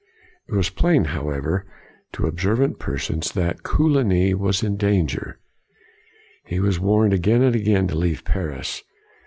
'' It was plain, however, to observant per sons, that Coligny was in danger. He was warned again and again to leave Paris.